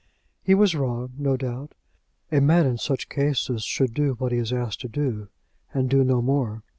He was wrong no doubt. A man in such cases should do what he is asked to do, and do no more.